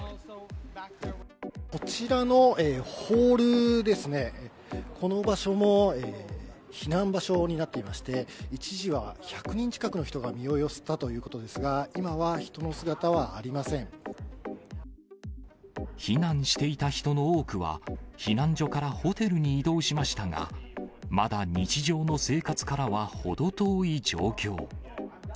こちらのホールですね、この場所も避難場所になっていまして、一時は１００人近くの人が身を寄せたということですが、今は人の避難していた人の多くは、避難所からホテルに移動しましたが、まだ日常の生活からは程遠い状況。